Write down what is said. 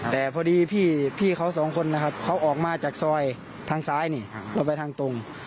แต่พอดีพี่เขาสองคนนะครับเขาออกมาจากซอยทางซ้ายนี่เราไปทางตรง